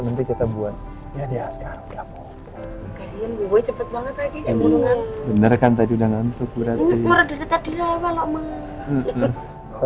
nanti kita buat ya dia sekarang kamu kasih gue cepet banget lagi ngomong ngomong bener